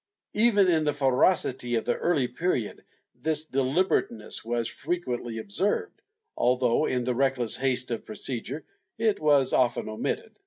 Even in the ferocity of the early period this deliberateness was frequently observed, although in the reckless haste of procedure it was often omitted.